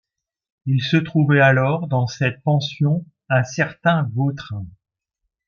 Il se trouvait alors dans cette pension un certain Vautrin…